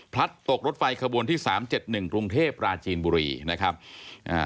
ตกรถไฟขบวนที่สามเจ็ดหนึ่งกรุงเทพปราจีนบุรีนะครับอ่า